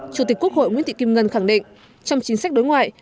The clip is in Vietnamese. chủ tịch quốc hội nguyễn thị kim ngân khẳng định trong chính sách đối ngoại